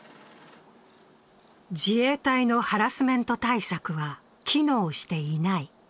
自衛隊のハラスメント対策は機能していない。